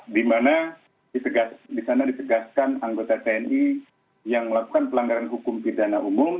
di mana di sana ditegaskan anggota tni yang melakukan pelanggaran hukum pidana umum